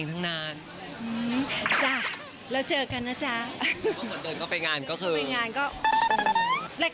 เข้าไปงานก็อืม